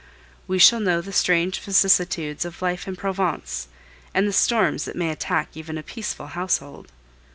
We shall know the strange vicissitudes of life in Provence, and the storms that may attack even a peaceful household.